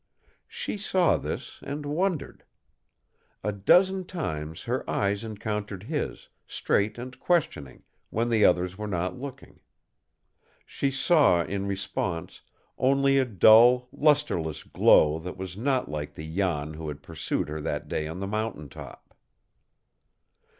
She saw this, and wondered. A dozen times her eyes encountered his, straight and questioning, when the others were not looking. She saw in response only a dull, lusterless glow that was not like the Jan who had pursued her that day on the mountain top.